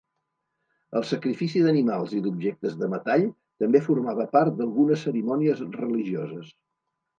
El sacrifici d'animals i d'objectes de metall també formava part d'algunes cerimònies religioses.